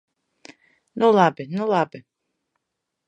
Nu labi, nu labi!